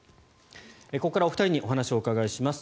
ここからはお二人にお話を伺います。